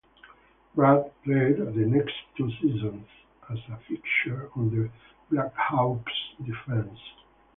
Brad played the next two seasons as a fixture on the Blackhawks defense.